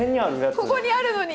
ここにあるのに。